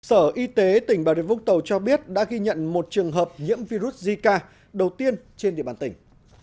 sở y tế tỉnh bà rịa vũng tàu cho biết đã ghi nhận một trường hợp nhiễm virus zika đầu tiên trên địa bàn tỉnh